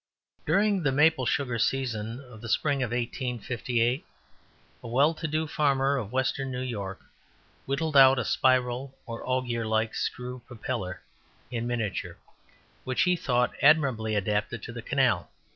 During the maple sugar season of the spring of 1858, a well to do farmer, of western New York, whittled out a spiral or augur like screw propeller, in miniature, which he thought admirably adapted to the canal.